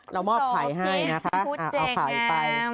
เรามอบไข่ให้นะคะเอาไข่ไป